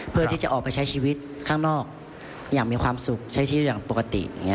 เพื่อที่จะออกไปใช้ชีวิตข้างนอกอย่างมีความสุขใช้ชีวิตอย่างปกติ